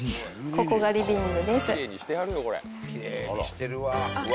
ここがリビングです。